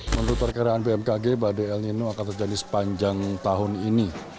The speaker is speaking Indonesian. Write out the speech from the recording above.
menurut perkiraan bmkg badai el nino akan terjadi sepanjang tahun ini